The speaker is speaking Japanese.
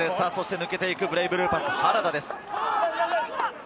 抜けていく、ブレイブルーパス・原田です。